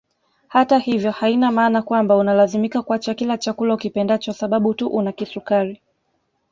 Hata hivyo haina maana kwamba unalazimika kuacha kila chakula ukipendacho sababu tu una kisukari